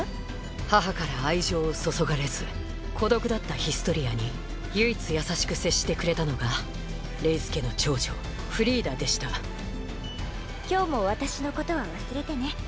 母から愛情を注がれず孤独だったヒストリアに唯一優しく接してくれたのがレイス家の長女フリーダでした今日も私のことは忘れてね。